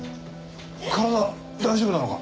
体大丈夫なのか？